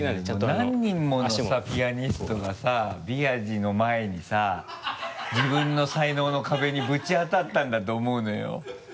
何人ものさピアニストがさ備安士の前にさ自分の才能の壁にぶち当たったんだと思うのよ。